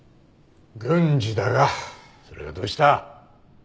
郡司だがそれがどうした？